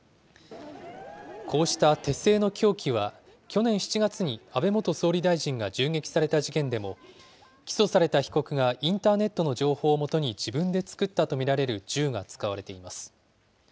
こうした手製の凶器は、去年７月に安倍元総理大臣が銃撃された事件でも、起訴された被告がインターネットの情報を基に自分で作ったと見られる銃が使われています。